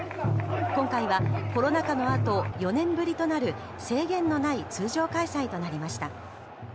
今回はコロナ禍のあと４年ぶりとなる制限のない通常開催となりました。